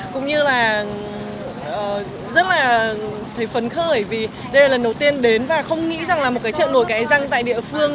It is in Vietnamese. cũng như là rất là thấy phấn khởi vì đây là lần đầu tiên đến và không nghĩ rằng là một cái chợ nổi cái răng tại địa phương